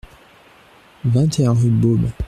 vingt et un rue de Beaume